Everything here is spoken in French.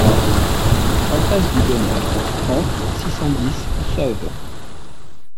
Impasse du Bonheur, trente, six cent dix Sauve